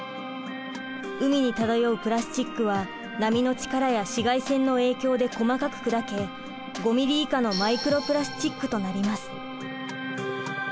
海に漂うプラスチックは波の力や紫外線の影響で細かく砕け５ｍｍ以下のマイクロプラスチックとなります。